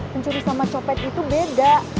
mencuri sama copet itu beda